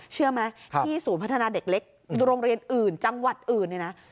เชื่อไหมที่ศูนย์พัฒนาเด็กเล็กโรงเรียนอื่นจังหวัดอื่นเนี่ยนะ